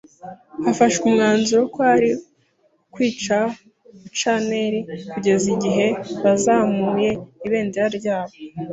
hafashwe umwanzuro, kwari ukwica buccaneers kugeza igihe bazamuye ibendera ryabo